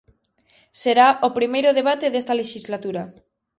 Será o primeiro debate desta lexislatura.